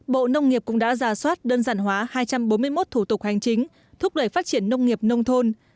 bộ nông nghiệp cũng đã giả soát đơn giản hóa hai trăm bốn mươi một thủ tục hành chính thúc đẩy phát triển nông nghiệp nông thôn